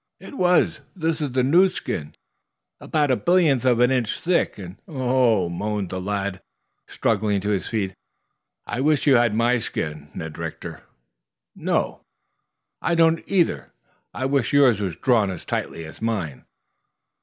"It was. This is the new skin, about a billionth of an inch thick, and oh h h h," moaned the lad, struggling to his feet. "I wish you had my skin, Ned Rector. No, I don't, either I I wish yours were drawn as tightly as mine."